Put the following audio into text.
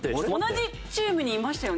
同じチームにいましたよね？